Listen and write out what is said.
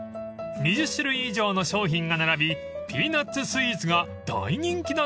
［２０種類以上の商品が並びピーナッツスイーツが大人気なんです］